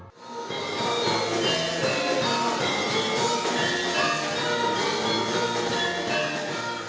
kisah kisah di jawa tenggara